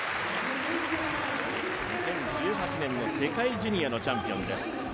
２０１８年の世界ジュニアのチャンピオンです。